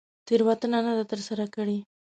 تېروتنه نه ده تر سره کړې.